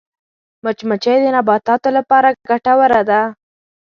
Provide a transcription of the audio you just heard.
مچمچۍ د نباتاتو لپاره ګټوره ده